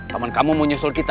teman kamu mau nyusul kita